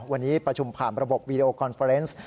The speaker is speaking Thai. วันนี้ประชุมผ่านระบบวีดีโอคอนเฟอร์เนส